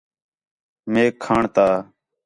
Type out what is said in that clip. میک کھاݨ تا